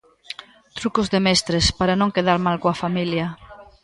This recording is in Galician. Trucos de mestres, para non quedar mal coa familia.